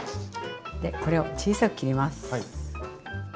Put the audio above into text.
でこれを小さく切ります。